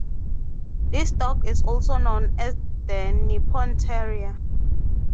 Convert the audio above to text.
This dog is also known as the Nippon Terrier.